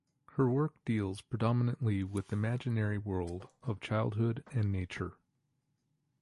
Her work deals predominately with the imaginary world of childhood and nature.